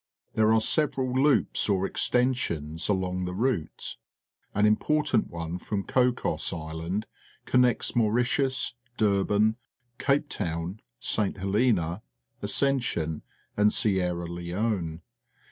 There are several loops of "extensions along the route. An important one from Cocos Island con nects Mauritius. Durba n. Cape_ Towa,_.Si, Helena^ Ascension,.,aad, Sierra Leone.